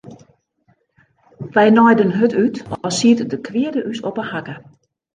Wy naaiden hurd út as siet de kweade ús op 'e hakke.